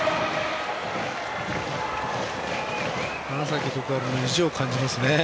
花咲徳栄の意地を感じますね。